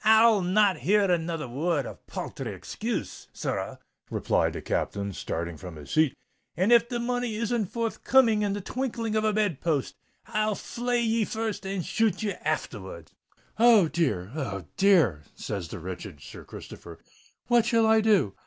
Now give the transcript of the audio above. "I'll not hear another word of palthry excuse, sirrah," replied the Captain, starting from his seat; "and if the money isn't forthcoming in the twinkling of a bed post, I'll flay ye first and shoot ye aftherwards." "Oh! dear—Oh! dear," said the wretched Sir Christopher: "what shall I do?